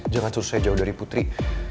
jangan suruh saya jauh dari putri